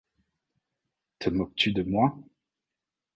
Te moques-tu de moi ?